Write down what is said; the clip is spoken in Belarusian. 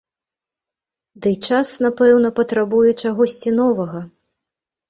Дый час, напэўна, патрабуе чагосьці новага.